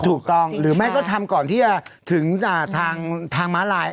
ถูกต้องหรือไม่ก็ทำก่อนที่จะถึงทางม้าลาย